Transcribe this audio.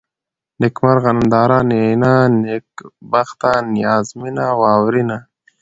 نېکمرغه ، ننداره ، نينه ، نېکبخته ، نيازمنه ، واورېنه